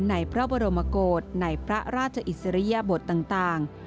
ในพระบรมกฏในพระราชอิสริยบทต่าง